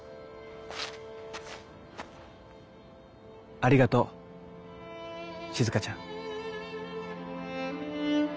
ありがとうしずかちゃん。